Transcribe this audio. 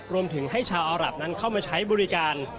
รวมถึงให้ชาวอารับนั้นเข้ามาใช้บริการ